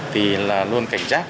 thì là luôn cảnh giác